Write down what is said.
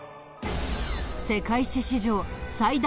世界史史上最大の謎と